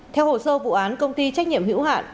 theo hồ sơ vụ án công ty trách nhiệm hữu hạn